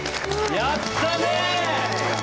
やったね！